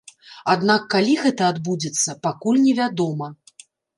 Аднак калі гэта адбудзецца, пакуль невядома.